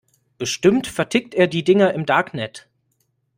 Bestimmt vertickt er die Dinger im Darknet.